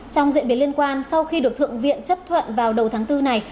trong diễn biến liên quan sau khi được thượng viện chấp thuận vào đầu tháng bốn này